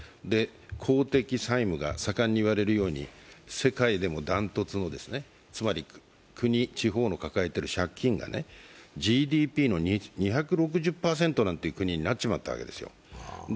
公的債務が盛んに言われるように世界でも断トツの、つまり国・地方の抱えている借金がＧＤＰの２６０％なんて国になっちゃったんですよ。